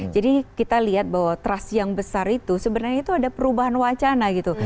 jadi kita lihat bahwa trust yang besar itu sebenarnya itu ada perubahan wacana gitu